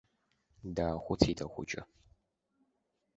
Даахәыцит ахәыҷы.